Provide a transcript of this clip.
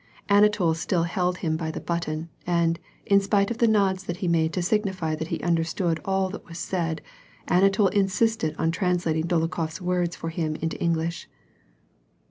Anatol still held him by the button, and, in spite of the nods that he made to signify that he unclerstood all that was said, Anatol insisted on translating Dolokhof's words for him into English.